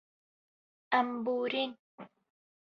Em borîn.